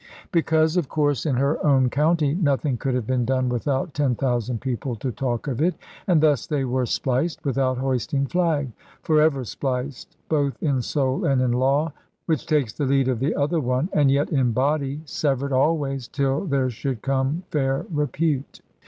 Because, of course, in her own county, nothing could have been done without ten thousand people to talk of it. And thus they were spliced, without hoisting flag; for ever spliced, both in soul and in law (which takes the lead of the other one), and yet in body severed always, till there should come fair repute.